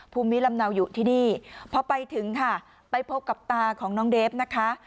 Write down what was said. ภูมิลำเนาอยู่ที่นี่พอไปถึงค่ะไปพบกับตาของน้องเดฟนะคะ